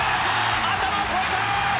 頭を越えた！